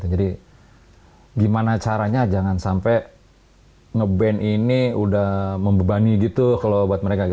jadi gimana caranya jangan sampai nge band ini udah membebani gitu kalau buat mereka